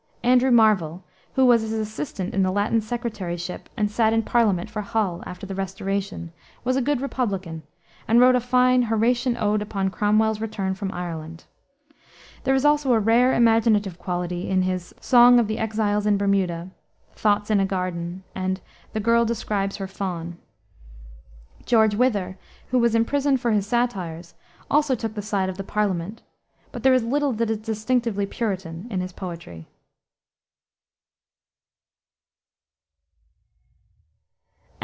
Andrew Marvell, who was his assistant in the Latin secretaryship and sat in Parliament for Hull, after the Restoration, was a good Republican, and wrote a fine Horatian Ode upon Cromwell's Return from Ireland. There is also a rare imaginative quality in his Song of the Exiles in Bermuda, Thoughts in a Garden, and The Girl Describes her Fawn. George Wither, who was imprisoned for his satires, also took the side of the Parliament, but there is little that is distinctively Puritan in his poetry.